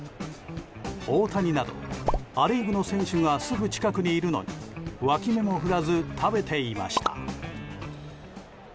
大谷など、ア・リーグの選手がすぐ近くにいるのにわき目もふらず食べていました。